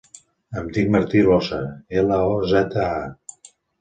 Em dic Martí Loza: ela, o, zeta, a.